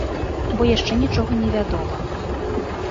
Бо яшчэ нічога не вядома.